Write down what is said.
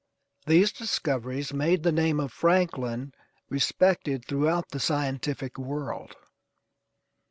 These discoveries made the name of Franklin respected throughout the scientific world.